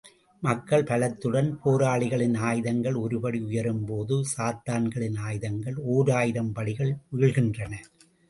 மக்கள் பலத்துடன் போராளிகளின் ஆயுதங்கள் ஒருபடி உயரும்போது சாத்தான்களின் ஆயுதங்கள் ஓராயிரம் படிகள் வீழ்கின்றன.